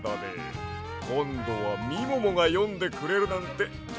こんどはみももがよんでくれるなんてとってもうれしいわ。